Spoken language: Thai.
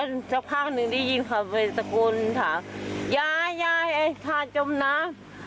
สักพักหนึ่งได้ยินเขาไปตะโกนถามยายยายไอ้ขาดจมน้ำ